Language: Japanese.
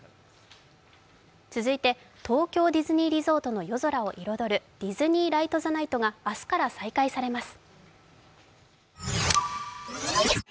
続いて東京ディズニーリゾートの夜空を彩るディズニー・ライト・ザ・ナイトが明日から再開されます。